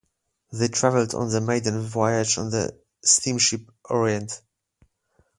They travelled on the maiden voyage of the steamship "Orient".